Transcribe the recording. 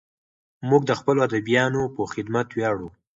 موږ د خپلو ادیبانو په خدمت ویاړو.